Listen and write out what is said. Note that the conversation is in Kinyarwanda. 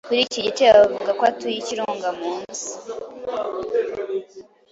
kuri iki gice Bavuga ko atuye ikirunga munsi